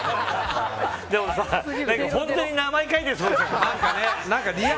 でも本当に名前書いてそう。